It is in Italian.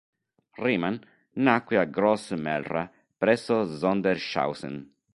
Riemann nacque a Groß-Mehlra, presso Sondershausen.